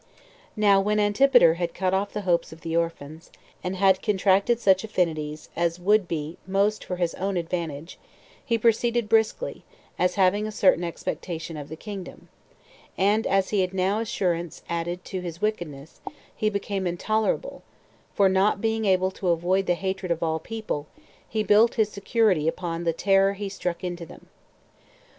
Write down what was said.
1. Now when Antipater had cut off the hopes of the orphans, and had contracted such affinities as would be most for his own advantage, he proceeded briskly, as having a certain expectation of the kingdom; and as he had now assurance added to his wickedness, he became intolerable; for not being able to avoid the hatred of all people, he built his security upon the terror he struck into them.